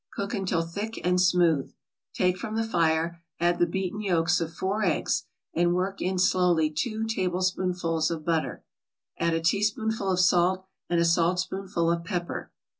Cook until thick and smooth. Take from the fire, add the beaten yolks of four eggs, and work in slowly two tablespoonfuls of butter. Add a teaspoonful of salt and a saltspoonful of pepper.